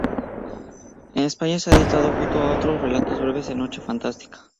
En España se ha editado junto a otros relatos breves en "Noche fantástica".